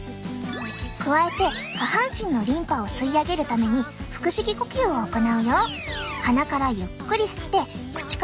加えて下半身のリンパを吸い上げるために腹式呼吸を行うよ。